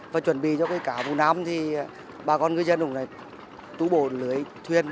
và chuẩn bị cho cả vụ nam thì bà con ngư dân cũng là tú bồ lưới thuyên